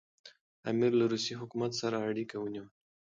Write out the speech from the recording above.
امیر له روسي حکومت سره اړیکي ونیولې.